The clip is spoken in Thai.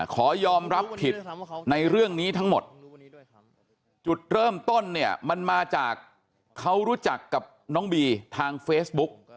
ขอยอมรับผิดในเรื่องนี้ทั้งหมดจุดเริ่มต้นเนี่ยมันมาจากเขารู้จักกับน้องบีทางเฟซบุ๊ก